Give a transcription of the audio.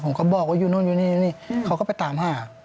ในวันนี้เขาก็ไปตามหาพุ่ม